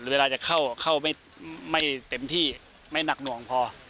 เวลาจะเข้าเข้าไม่เต็มที่ไม่หนักหน่วงพอ